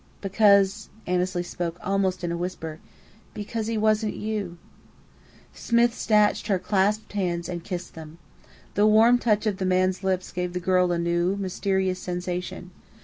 "Because" Annesley spoke almost in a whisper "because he wasn't you." Smith snatched her clasped hands and kissed them. The warm touch of the man's lips gave the girl a new, mysterious sensation.